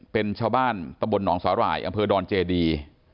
เป็นชาวบ้านตะบลหนองสาหร่ายอำเภอดอนเจดี